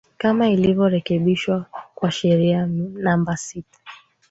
kama ilivyo rekebishwa kwa sheria namba Sita